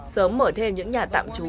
sớm mở thêm những nhà tạm trú